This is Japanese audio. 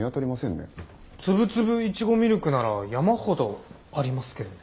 つぶつぶいちごミルクなら山ほどありますけどね。